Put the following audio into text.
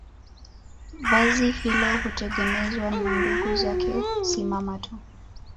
Vazi hilo hutengenezwa na ndugu zake si mama tu